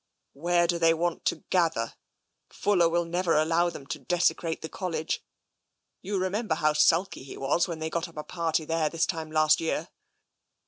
" Where do they want to gather ? Fuller will never allow them to desecrate the College. You remember how sulky he was when they got up that party there, this time last year."